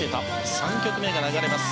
３曲目が流れ出す。